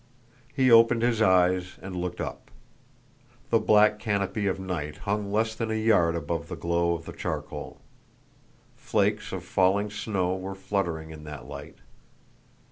He opened his eyes and looked up. The black canopy of night hung less than a yard above the glow of the charcoal. Flakes of falling snow were fluttering in that light.